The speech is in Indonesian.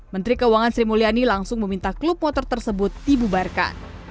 menteri keuangan sri mulyani langsung meminta klub motor tersebut dibubarkan